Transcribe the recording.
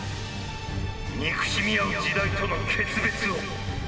憎しみ合う時代との決別を」。